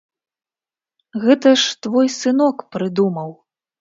Гэта ж твой сынок прыдумаў!